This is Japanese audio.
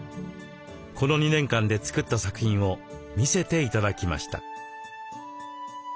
この２年間で作った作品を見せて頂きました。